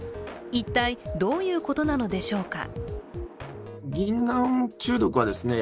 一体どういうことなのでしょうか。